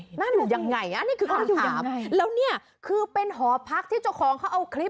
นั่นอยู่ยังไงอ่ะนี่คือคำถามแล้วเนี่ยคือเป็นหอพักที่เจ้าของเขาเอาคลิป